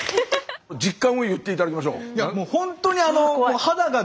実感を言って頂きましょう。